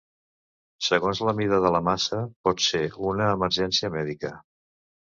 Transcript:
Segons la mida de la massa, pot ser una emergència mèdica.